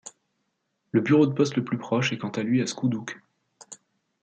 Le bureau de poste le plus proche est quant à lui à Scoudouc.